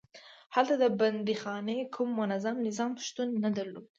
هلته د بندیخانې کوم منظم نظام شتون نه درلود.